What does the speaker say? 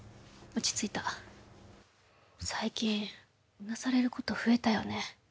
落ち着いた最近うなされること増えたよね